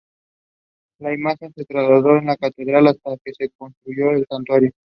La imagen se trasladó a la Catedral hasta que se construyó el Santuario.